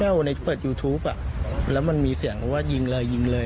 เมื่อวันนี้เปิดยูทูปแล้วมันมีเสียงว่ายิงเลยยิงเลย